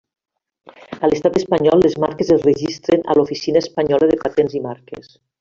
A l'Estat Espanyol les marques es registren a l'Oficina Espanyola de Patents i Marques.